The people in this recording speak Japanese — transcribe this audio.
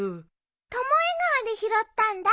巴川で拾ったんだ。